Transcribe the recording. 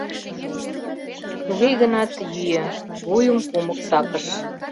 Туге гынат йӱӧ, вуйым кумык сакыш.